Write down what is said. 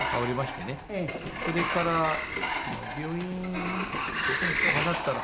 それから病院どこにしようかなっつったら。